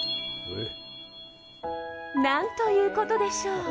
何ということでしょう。